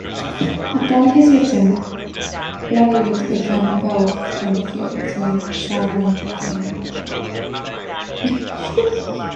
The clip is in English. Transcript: Upon his return, Lodi would become involved in the feud between Saturn and Raven.